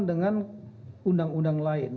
dengan undang undang lain